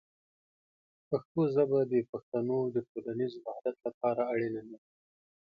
پښتو ژبه د پښتنو د ټولنیز وحدت لپاره اړینه ده.